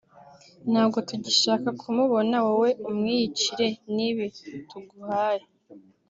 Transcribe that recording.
Ntabwo tugishaka kumubona wowe umwiyicire n’ibi tuguhaye